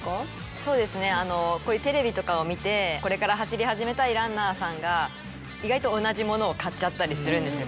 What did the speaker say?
そうですねこういうテレビとかを見てこれから走り始めたいランナーさんが意外と同じものを買っちゃったりするんですよ。